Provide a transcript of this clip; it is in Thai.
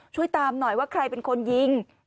ช่วยตามหน่อยว่าใครเป็นคนยิง